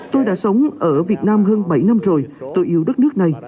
tôi đã sống ở việt nam hơn bảy năm rồi tôi yêu đất nước này